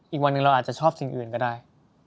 อีกวันหนึ่งเราอาจจะชอบสิ่งอื่นก็ได้